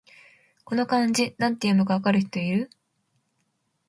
この漢字、なんて読むか分かる人いる？